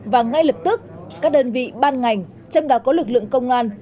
và ngay lập tức các đơn vị ban ngành chăm đào có lực lượng công an